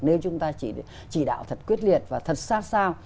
nếu chúng ta chỉ đạo thật quyết liệt và thật sát sao